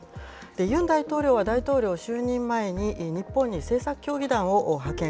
ユン大統領は、大統領就任前に、日本に政策協議団を派遣。